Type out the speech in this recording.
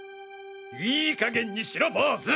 いいかげんにしろボウズ！！